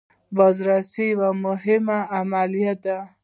بازرسي یوه مهمه عملیه ده.